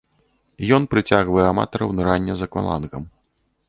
Ён прыцягвае аматараў нырання з аквалангам.